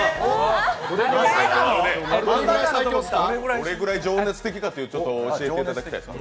どれくらい情熱的かを教えていただきたい。